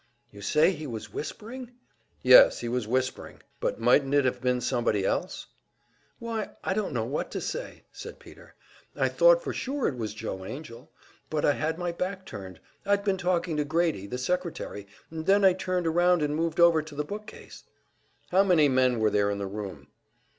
"You say he was whispering?" "Yes, he was whispering." "But mightn't it have been somebody else?" "Why, I don't know what to say," said Peter. "I thought for sure it was Joe Angell; but I had my back turned, I'd been talking to Grady, the secretary, and then I turned around and moved over to the book case." "How many men were there in the room?"